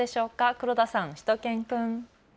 黒田さん、しゅと犬くん。